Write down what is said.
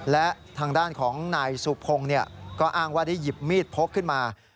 และทางด้านของนายสุพงศ์ก็อ้างว่าได้หยิบมีดพกขึ้นมา